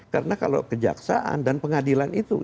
karena kalau kejaksaan dan pengadilan itu